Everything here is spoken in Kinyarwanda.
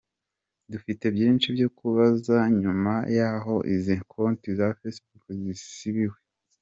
"Dufite byinshi byo kubaza nyuma yaho izi konti za Facebook zisibiwe.